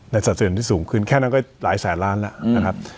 สัดส่วนที่สูงขึ้นแค่นั้นก็หลายแสนล้านแล้วนะครับ